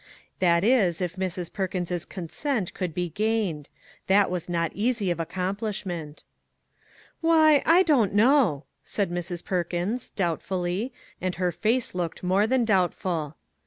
That is, if Mrs. Perkins's con sent could be gained. That was not easy of accomplishment. " Why, I don't know," said Mrs. Perkins, doubtfully, and her face looked more than doubtful.